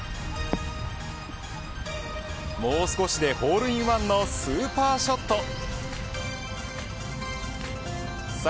もう少しでホールインワンのスーパーショット。